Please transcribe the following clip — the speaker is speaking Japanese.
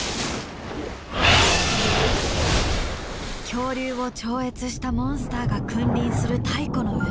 恐竜を超越したモンスターが君臨する太古の海。